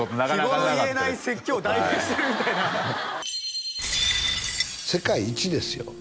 日頃言えない説教を代弁してるみたいな世界一ですよ